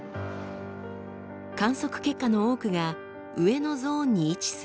観測結果の多くが上のゾーンに位置する